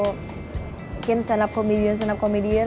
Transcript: mungkin stand up komedian stand up komedian